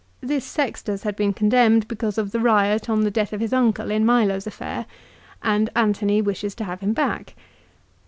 This Sextus had been condemned because of the riot on the death of his uncle in Milo's affair, and Antony wishes to have him back.